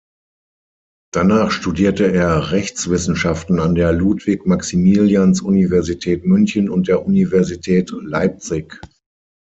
Danach studierte er Rechtswissenschaften an der Ludwig-Maximilians-Universität München und der Universität Leipzig.